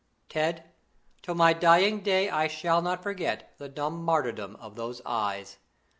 "Ted, till my dying day I shall not forget the dumb martyrdom of those eyes!